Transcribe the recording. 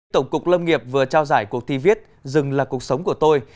tổng cục lâm nghiệp vừa trao giải cuộc thi viết rừng là cuộc sống của tôi